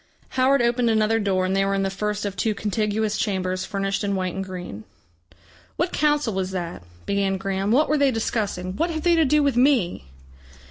Howard opened another door, and they were in the first of two contiguous chambers furnished in white and green. "What Council was that?" began Graham. "What were they discussing? What have they to do with me?"